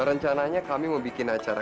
rencananya kami mau bikin acara